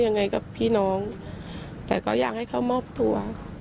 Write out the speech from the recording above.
ยังไงกับพี่น้องแต่ก็อยากให้เขามอบตัว